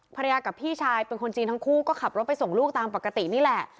ภรรยากับพี่ชายเป็นคนจีนทั้งคู่ก็ขับรถไปส่งลูกตามปกตินี่แหละ